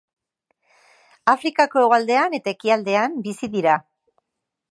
Afrikako hegoaldean eta ekialdean bizi dira.